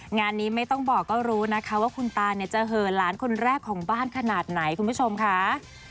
งานนี้ไม่ต้องบอกก็รู้นะคะว่าคุณตาเนี่ยจะเหอะหลานคนแรกของบ้านขนาดไหนคุณผู้ชมค่ะ